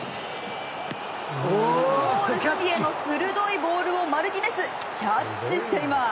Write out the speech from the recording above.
ゴール隅への鋭いボールをマルティネスキャッチしています。